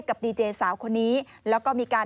ดีเจสาวคนนี้แล้วก็มีการ